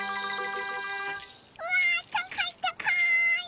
うわたかいたかい！